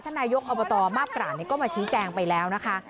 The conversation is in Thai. นายกอบตมาบปราศก็มาชี้แจงไปแล้วนะคะ